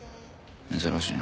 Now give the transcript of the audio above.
珍しいな。